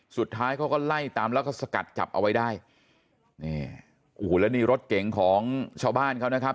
สุดท้ายเขาก็ไล่ตามแล้วก็สกัดจับเอาไว้ได้นี่โอ้โหแล้วนี่รถเก่งของชาวบ้านเขานะครับ